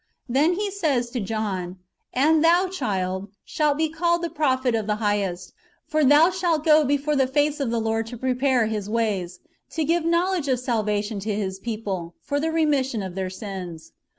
"* Then he says to John :^' And thou, child, shalt be called the prophet of the Highest : for thou shalt go before the face of the Lord to prepare His ways ; to give knowledge of salvation to His people, for the remission of their sins."